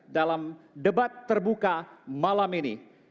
dalam debat terbuka malam ini